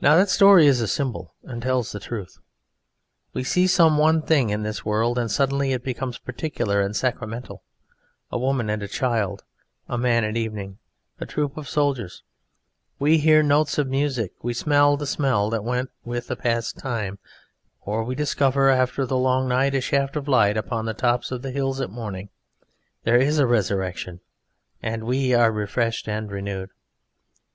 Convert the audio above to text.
Now that story is a symbol, and tells the truth. We see some one thing in this world, and suddenly it becomes particular and sacramental; a woman and a child, a man at evening, a troop of soldiers; we hear notes of music, we smell the smell that went with a passed time, or we discover after the long night a shaft of light upon the tops of the hills at morning: there is a resurrection, and we are refreshed and renewed.